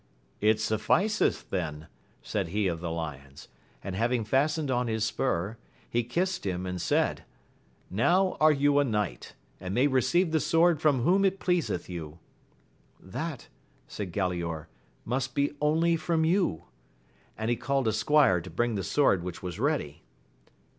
It sufficeth then, said he of the lions, and having fastened on his spur, he kissed him, and said, now are you a knight, and may receive the sword from whom it pleaseth you. That, said Galaor, must be only from you ; and he called a squire to bring the sword which was ready.